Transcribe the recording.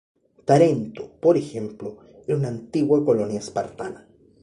Tarento, por ejemplo, era una antigua colonia espartana.